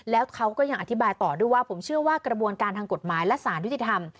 แล้วเขาก็ยังอธิบายต่อด้วยว่าผมเชื่อว่ากระบวนการทางกฎหมายและสารยุติธรรม